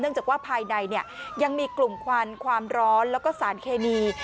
จากว่าภายในยังมีกลุ่มควันความร้อนแล้วก็สารเคมี